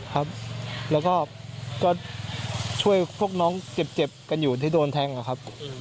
ครับแล้วก็ช่วยพวกน้องเจ็บกันอยู่ที่โดนแทงอะครับ